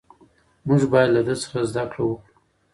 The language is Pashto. موږ باید له ده څخه زده کړه وکړو.